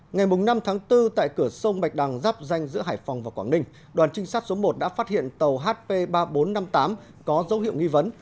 ngày năm tháng bốn tại cửa sông bạch đằng dắp danh giữa hải phòng và quảng ninh đoàn trinh sát số một đã phát hiện tàu hp ba nghìn bốn trăm năm mươi tám có dấu hiệu nghi vấn